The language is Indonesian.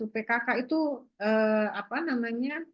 pkk itu apa namanya